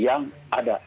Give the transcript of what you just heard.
yang berdasarkan tni